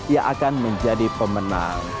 yang akan menjadi pemenang